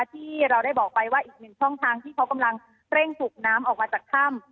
ที่เราได้บอกไปว่าอีกหนึ่งช่องทางที่เขากำลังเร่งสูบน้ำออกมาจากถ้ำ